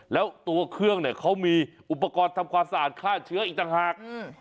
แล้วตัวเครื่องเนี่ยเขามีอุปกรณ์ทำความสะอาดฆ่าเชื้ออีกต่างหาก